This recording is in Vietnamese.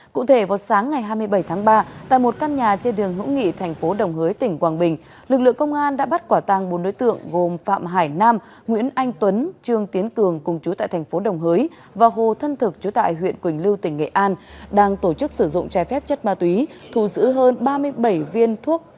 cụ thể vào sáng ngày hai mươi bảy tháng ba tại một căn nhà trên đường hữu nghị thành phố đồng hới tỉnh quảng bình lực lượng công an đã bắt quả tàng bốn đối tượng gồm phạm hải nam nguyễn anh tuấn trương tiến cường cùng chú tại thành phố đồng hới và hồ thân thực chú tại huyện quỳnh lưu tỉnh nghệ an